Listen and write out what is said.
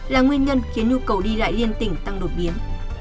là nguyên nhân khiến nhu cầu đi lại liên tỉnh tăng đột biến